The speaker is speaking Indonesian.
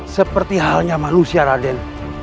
seperti halnya manusia radit